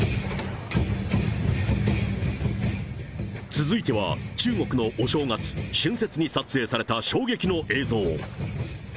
続いては、中国のお正月、春節に撮影された衝撃の映像。